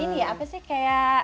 ini ya apa sih kayak